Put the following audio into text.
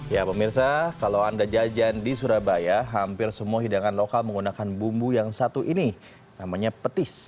ya pemirsa kalau anda jajan di surabaya hampir semua hidangan lokal menggunakan bumbu yang satu ini namanya petis